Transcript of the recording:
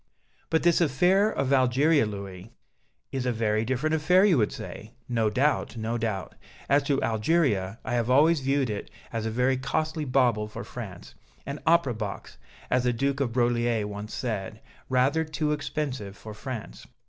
"But this affair of Algeria, Louis " "Is a very different affair you would say. No doubt, no doubt. As to Algeria, I have always viewed it as a very costly bauble for France, 'an opera box' as the Duke of Broglie once said, 'rather too expensive for France.'"